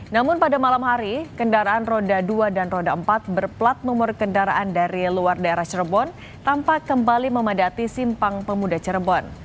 namun pada malam hari kendaraan roda dua dan roda empat berplat nomor kendaraan dari luar daerah cirebon tampak kembali memadati simpang pemuda cirebon